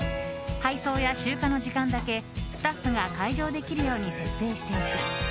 配送や集荷の時間だけスタッフが解錠できるように設定しておく。